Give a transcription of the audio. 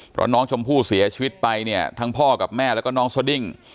เพราะน้องชมพู่เสียชีวิตไปเนี่ยทั้งพ่อกับแม่แล้วก็น้องสดิ้ง